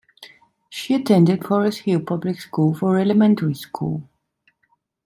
She attended Forest Hill Public School for elementary school.